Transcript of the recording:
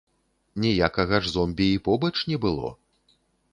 Ніякага ж зомбі і побач не было.